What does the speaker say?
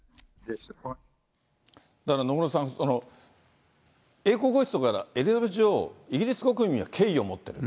だから野村さん、英国王室、エリザベス女王、イギリス国民には敬意を持っている。